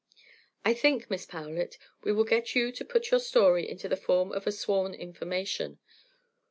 I think, Miss Powlett, we will get you to put your story into the form of a sworn information.